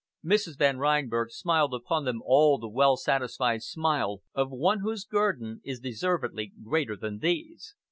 Mrs. Van Reinberg smiled upon them all the well satisfied smile of one whose guerdon is deservedly greater than these.